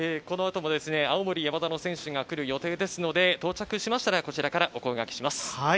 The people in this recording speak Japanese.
この後も青森山田の選手が来る予定ですので、到着しましたら、こちらからお声掛けします。